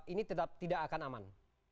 ini tidak akan aman